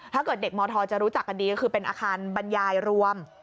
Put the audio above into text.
ถ้าเกิดเด็กมธจะรู้จักกันดีก็คือเป็นอาคารบรรยายรวม